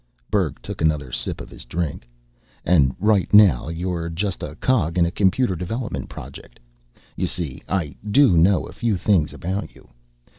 Berg took another sip of his drink. "And right now you're just a cog in a computer development Project. You see, I do know a few things about you.